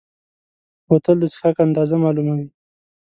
بوتل د څښاک اندازه معلوموي.